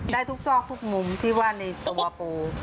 ได้ทุกซอกทุกมุมที่ว่าในโซวาปู